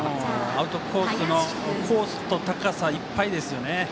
アウトコースのコースと高さいっぱいですよね。